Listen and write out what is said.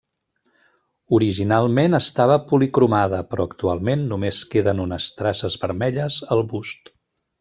Originalment estava policromada, però actualment només queden unes traces vermelles al bust.